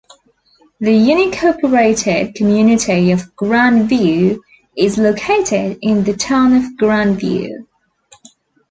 The unincorporated community of Grand View is located in the town of Grandview.